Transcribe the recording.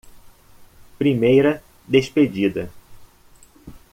Primeira despedida